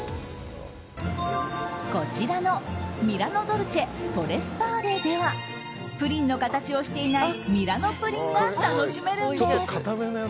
こちらのミラノドルチェトレ・スパーデではプリンの形をしていないミラノプリンが楽しめるんです。